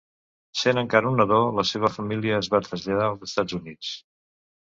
Sent encara un nadó, la seva família es va traslladar als Estats Units.